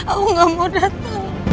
aku gak mau dateng